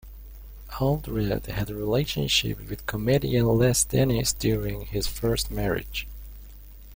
Aldred had a relationship with comedian Les Dennis during his first marriage.